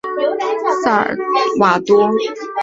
伊芝诺生于巴西萨尔瓦多。